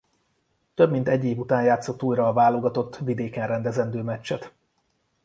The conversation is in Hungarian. Több mint egy év után játszott újra a válogatott vidéken rendezendő meccset.